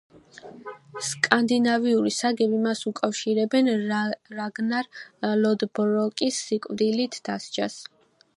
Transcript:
სკანდინავიური საგები მას უკავშირებენ რაგნარ ლოდბროკის სიკვდილით დასჯას.